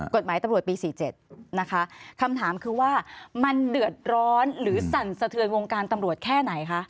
กฎหมายตำรวจปี๔๗นะคะคำถามคือว่ามันเดือดร้อนหรือสั่นสะเทือนวงการตำรวจแค่ไหนคะ